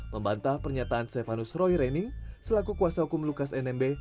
membantah pernyataan stefanus roy reni selaku kuasa hukum lukas nmb